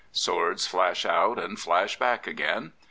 Swords flash out and flash back again.